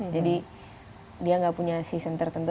jadi dia nggak punya season tertentu